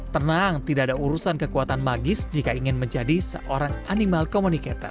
tenang tidak ada urusan kekuatan magis jika ingin menjadi seorang animal communicator